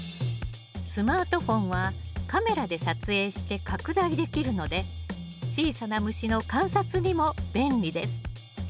スマートフォンはカメラで撮影して拡大できるので小さな虫の観察にも便利です。